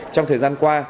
trong thời gian qua